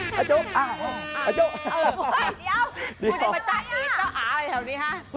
ครับนี่ครับ